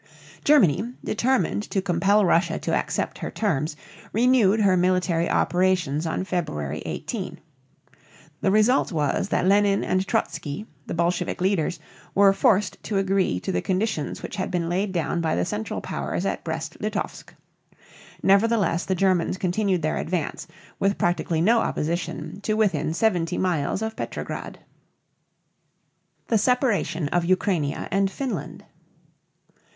Germany, determined to compel Russia to accept her terms, renewed her military operations on February 18. The result was that Lenine and Trotzky, the Bolshevik leaders, were forced to agree to the conditions which had been laid down by the Central Powers at Brest Litovsk. Nevertheless the Germans continued their advance, with practically no opposition, to within seventy miles of Petrograd. THE SEPARATION OF UKRAINIA AND FINLAND.